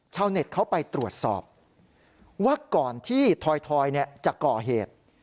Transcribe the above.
ชาวเน็ตเขาไปตรวจสอบว่าก่อนที่ทอยจะก่อเหตุ